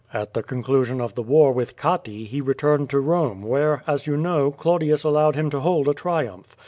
At the conclusion of the war with Catti he returned to Eome where, as you know, Claudius allowed him to hold a triumph.